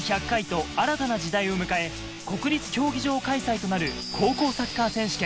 第１００回と新たな時代を迎え、国立競技場開催となる高校サッカー選手権。